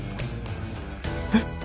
えっ。